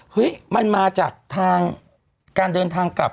เฮ้ยมันมาจากทางการเดินทางกลับ